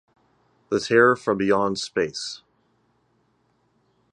The Terror from Beyond Space.